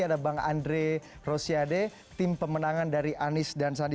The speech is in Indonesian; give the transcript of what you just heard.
ada bang andre rosiade tim pemenangan dari anies dan sandi